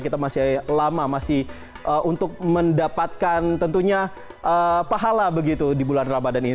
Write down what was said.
kita masih lama masih untuk mendapatkan tentunya pahala begitu di bulan ramadan ini